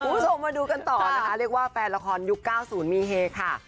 คุณผู้ชมมาดูกันต่อนะคะเรียกว่าแฟนละครยุค๙๐มีเฮค่ะ